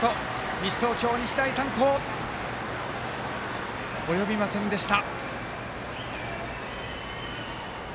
西東京、日大三高及びませんでした。